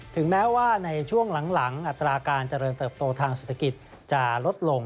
ถึงแม้ว่าในช่วงหลังอัตราการเจริญเติบโตทางเศรษฐกิจจะลดลง